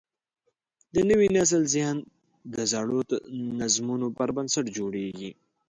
د نوي نسل ذهن د زړو نظمونو پر بنسټ جوړېږي.